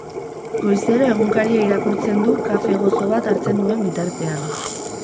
Goizero egunkaria irakurtzen du kafe gozo bat hartzen duen bitartean.